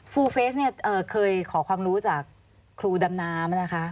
เฟสเนี่ยเคยขอความรู้จากครูดำน้ำนะคะ